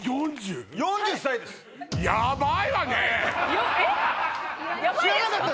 ４０歳ですえっ？